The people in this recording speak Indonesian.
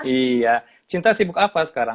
iya cinta sibuk apa sekarang